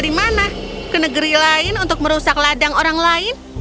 mereka akan pergi ke negara lain untuk merusak ladang orang lain